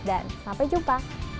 dan sampai jumpa